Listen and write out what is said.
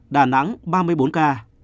đà nẵng ba mươi bốn ca